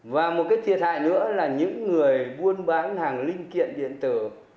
và một cái thiệt hại nữa là những người buôn bán hàng linh kiện điện tử